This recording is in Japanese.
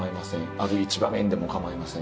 ある一場面でも構いません。